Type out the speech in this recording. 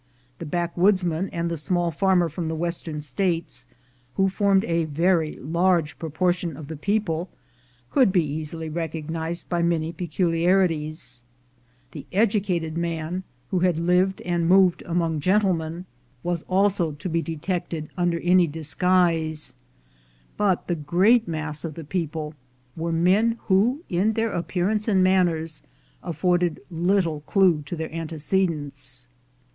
The backwoodsman and the small farmer from the Western States, who formed a very large proportion of the people, could be easily recognized by many peculiarities. The educated man, who had lived and moved among gentlemen, was also to be detected 352 THE GOLD HUNTERS n under any disguise; but the great mass of the people were men who, in their appearance and manners, afforded little clue to their antecedents.